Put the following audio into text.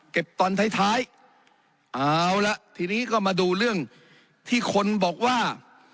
ตอนท้ายท้ายเอาละทีนี้ก็มาดูเรื่องที่คนบอกว่า